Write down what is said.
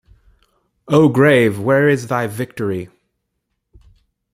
O grave, where is thy victory?